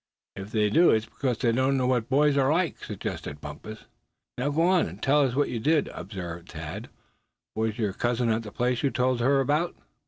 "If they do, it's because they don't know what boys are like," suggested Bumpus. "Now go on and tell us what you did," observed Thad. "Was your cousin at the place you told her about?"